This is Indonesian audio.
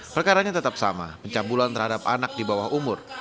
perkaranya tetap sama pencabulan terhadap anak di bawah umur